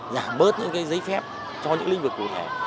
giảm bớt những giấy phép cho những lĩnh vực cụ thể